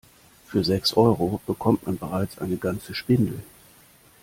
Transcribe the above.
Für sechs Euro bekommt man bereits eine ganze Spindel.